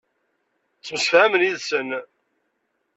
Ttemsefhamen yid-sen.